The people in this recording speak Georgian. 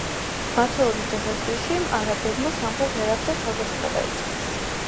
მმართველობის დასაწყისში არაბებმა სამხრეთში ერაყზე თავდასხმა დაიწყეს.